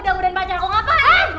dia itu pacar aku ngapain